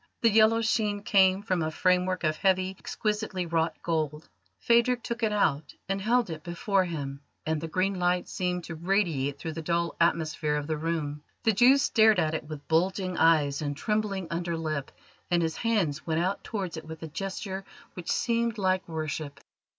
The yellow sheen came from a framework of heavy, exquisitely wrought gold. Phadrig took it out and held it before him, and the green light seemed to radiate through the dull atmosphere of the room. The Jew stared at it with bulging eyes and trembling under lip, and his hands went out towards it with a gesture which seemed like worship.